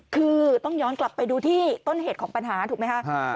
คือต้องย้อนกลับไปดูที่ต้นเหตุของปัญหาถูกไหมคะ